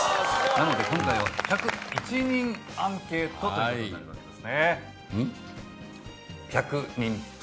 なので今回は１０１人アンケートという事になるわけですね。